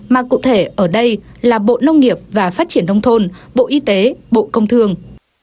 mà cụ thể ở đây là bộ nông nghiệp và phát triển nông thôn bộ y tế bộ công thương